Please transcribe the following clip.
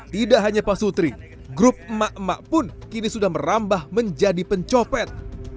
tidak hanya pak sutri grup emak emak pun kini sudah merambah menjadi pencopet